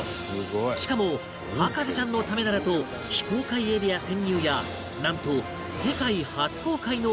しかも博士ちゃんのためならと非公開エリア潜入やなんと世界初公開のお宝まで待っている